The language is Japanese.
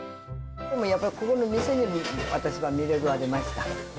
やっぱりここの店に私は魅力がありました。